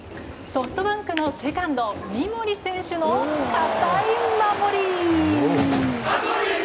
ソフトバンクのセカンド三森選手の堅い守り。